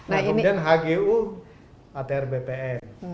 nah kemudian hgu atr bpn